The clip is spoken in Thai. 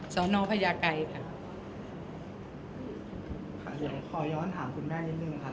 สอนอพญาไกรค่ะค่ะเดี๋ยวขอย้อนถามคุณแม่นิดนึงค่ะ